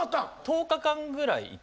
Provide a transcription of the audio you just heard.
１０日間ぐらいいて。